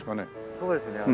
そうですね。